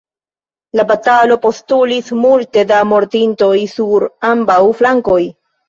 La batalo postulis multe da mortintoj sur ambaŭ flankoj.